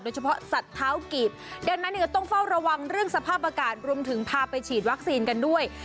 เฉพาะสัตว์เท้ากีบดังนั้นเนี่ยก็ต้องเฝ้าระวังเรื่องสภาพอากาศรวมถึงพาไปฉีดวัคซีนกันด้วย